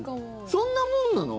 そんなもんなの？